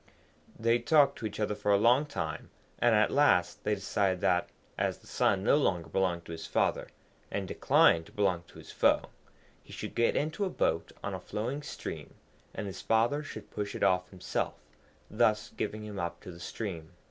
They talked to each other for a long time, and at last they decided that, as the son no longer belonged to his father, and declined to belong to his foe, he should get into a boat on a flowing stream, and his father should push it off himself, thus giving him up to the stream.